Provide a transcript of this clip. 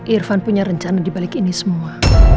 irfan punya rencana dibalik ini semua